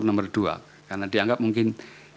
nomor dua karena dianggap mungkin